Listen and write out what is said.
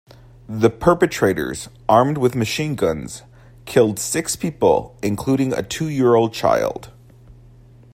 The perpetrators, armed with machine guns, killed six people including a two-year-old child.